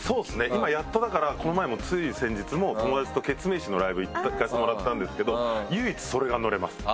今やっとだからこの前もつい先日も友達とケツメイシのライブ行かせてもらったんですけど唯一それがノれます。